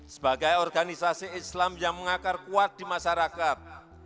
sebagai organisasi islam yang mengakar kuat di masyarakat